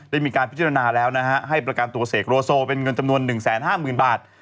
ได้มีการพิจารณาแล้วนะฮะให้ประกันตัวเสกโลโซเป็นเงินจำนวน๑๕๐๐๐บาท